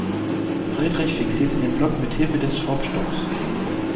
Friedrich fixierte den Block mithilfe des Schraubstocks.